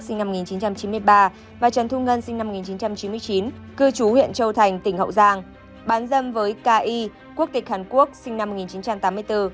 sinh năm một nghìn chín trăm chín mươi ba và trần thu ngân sinh năm một nghìn chín trăm chín mươi chín cư trú huyện châu thành tỉnh hậu giang bán dâm với k y quốc tịch hàn quốc sinh năm một nghìn chín trăm tám mươi bốn